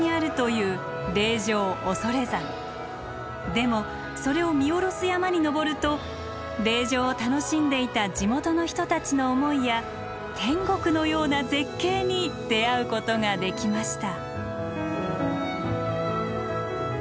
でもそれを見下ろす山に登ると霊場を楽しんでいた地元の人たちの思いや天国のような絶景に出会うことができました。